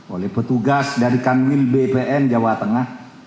oleh petugas dari kanwil bpn jawa tengah